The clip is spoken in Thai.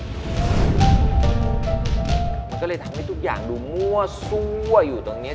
มันก็เลยทำให้ทุกอย่างดูมั่วซั่วอยู่ตรงนี้